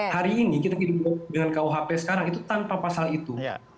hari ini kita kehidupan dengan kuhp sekarang itu tanpa pasal itu